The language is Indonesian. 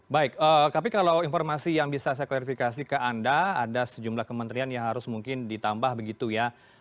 baik tapi kalau informasi yang bisa saya klarifikasi ke anda ada sejumlah kementerian yang harus mungkin ditambah begitu ya